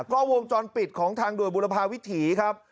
ก็วงจรปิดของทางด่วนบุรพาวิถีครับ